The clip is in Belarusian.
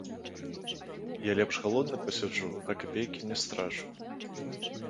Я лепш галодны пасяджу, а капейкі не страчу.